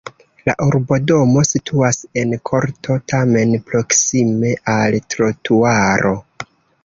La urbodomo situas en korto, tamen proksime al trotuaro.